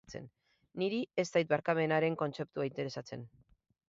Niri ez zait barkamenaren kontzeptua interesatzen.